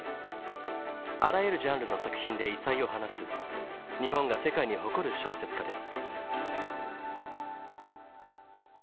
あらゆるジャンルの作品で異彩を放つ日本が世界に誇る小説家です。